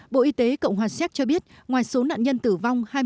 bộ y tế cộng hòa xéc cho biết ngoài số nạn nhân tử vong